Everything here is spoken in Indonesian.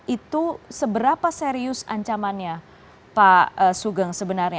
itu seberapa serius ancamannya pak sugeng sebenarnya